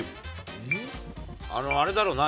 あれだろうな。